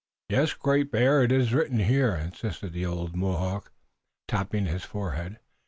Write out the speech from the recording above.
"Yes, Great Bear, it is written here," insisted the old Mohawk, tapping his forehead.